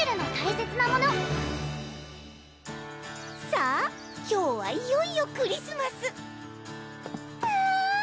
さぁ今日はいよいよクリスマスわぁ